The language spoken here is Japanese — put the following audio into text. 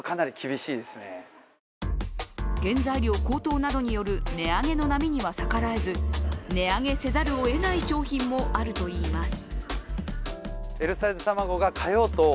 原材料高騰などによる値上げの波には逆らえず値上げせざるをえない商品もあるといいます。